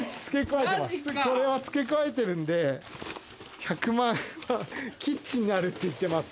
これは付け加えてるんで１００万円はキッチンにあるって言ってます。